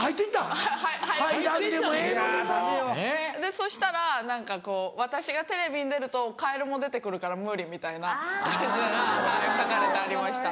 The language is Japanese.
そしたら何かこう私がテレビに出るとカエルも出て来るから無理みたいな書かれてありました。